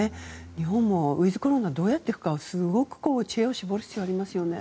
日本もウィズコロナをどうやっていくかとすごく知恵を絞る必要がありますよね。